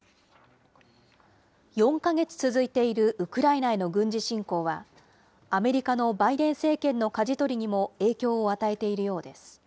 ４か月続いているウクライナへの軍事侵攻は、アメリカのバイデン政権のかじ取りにも影響を与えているようです。